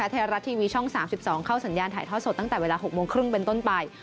ไทยรัฐทีวีช่อง๓๒เข้าสัญญาณถ่ายทอดสดตั้งแต่เวลา๖โมงครึ่งเป็นต้นไป